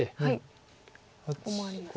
ここもありますね。